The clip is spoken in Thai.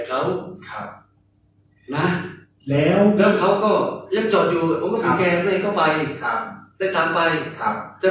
ครับนะแล้วเขาก็เดี๋ยวเจาะอยู่เป็นเข้าไปครับได้ตามไปครับ